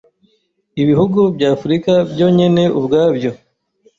ibihugu bya Afrika byo nyene ubwabyo